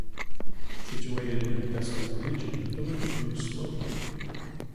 Situated in a desolate region, the village grew slowly.